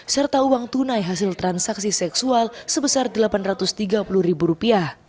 serta uang tunai hasil transaksi seksual sebesar rp delapan ratus tiga puluh